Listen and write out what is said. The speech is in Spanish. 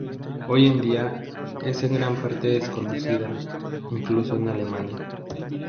Hoy en día es en gran parte desconocida, incluso en Alemania.